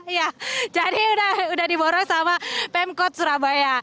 iya jadi udah diborong sama pemkot surabaya